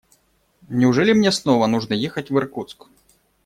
Неужели мне снова нужно ехать в Иркутск?